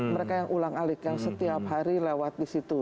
mereka yang ulang alik yang setiap hari lewat di situ